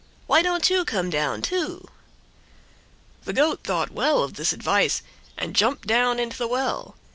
Why don't you come down, too?" The Goat thought well of this advice, and jumped down into the well.